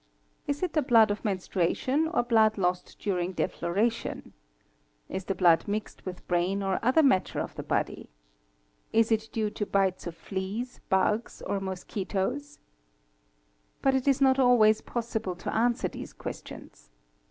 Is it the blood of menstruation or blood lost during defloration? ¢% 3® Ts the blood mixed with brain or other matter of the body ?@® 88) Ts if due to bites of fleas, bugs, or mosquitos? But it is not always possible to answer these questions.